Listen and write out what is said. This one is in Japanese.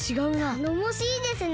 たのもしいですね。